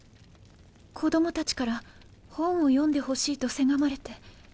子供たちから本を読んでほしいとせがまれてつい。